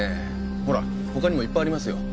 ほら他にもいっぱいありますよ。